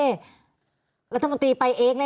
ตั้งแต่เริ่มมีเรื่องแล้ว